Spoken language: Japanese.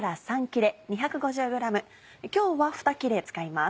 今日は２切れ使います。